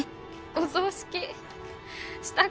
お葬式？